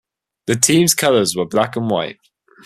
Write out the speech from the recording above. The team's colors were black and white.